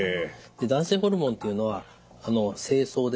男性ホルモンというのは精巣ですね